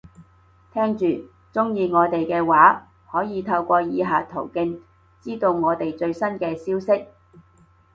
聽住，鍾意我哋嘅話，可以透過以下途徑，知道我哋最新嘅消息